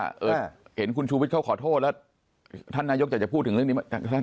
โยกว่าเออเห็นคุณชูวิทเข้าขอโทษแล้วท่านนายกจะจะพูดถึงเรื่องนี้